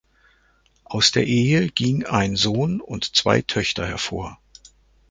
Aus der Ehe ging ein Sohn und zwei Töchter hervor.